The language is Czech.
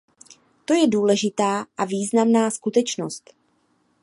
To je důležitá a významná skutečnost.